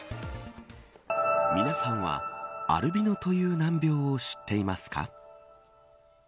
皆さんは、アルビノという難病を知っていますか。